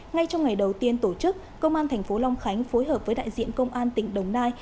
ngay trong ngày đầu tiên tổ chức công an thành phố long khánh phối hợp với đại diện công an tỉnh đồng nai